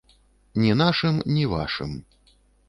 Ні нашым, ні вашым.